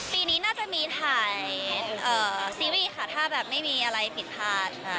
ปีนี้น่าจะมีถ่ายซีรีส์ค่ะถ้าแบบไม่มีอะไรผิดพลาดค่ะ